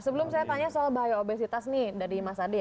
sebelum saya tanya soal bio obesitas nih dari mas ade